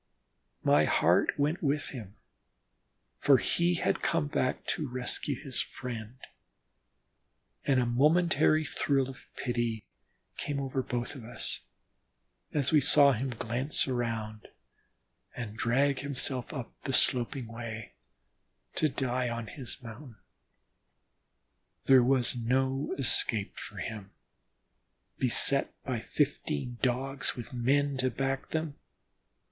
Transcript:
My heart went with him, for he had come back to rescue his friend, and a momentary thrill of pity came over us both, as we saw him glance around and drag himself up the sloping way, to die on his mountain. There was no escape for him, beset by fifteen Dogs with men to back them.